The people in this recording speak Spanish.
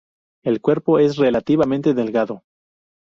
El cuerpo es relativamente delgado.